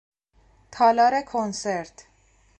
تالار کنسرت